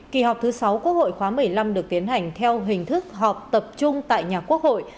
kỳ họp thứ sáu quốc hội khóa một mươi năm được tiến hành theo hình thức họp tập trung tại nhà quốc hội